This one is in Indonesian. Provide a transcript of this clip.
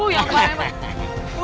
wuh ya ampun